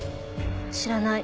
知らない。